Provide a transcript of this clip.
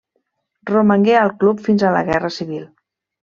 Romangué al club fins a la Guerra Civil.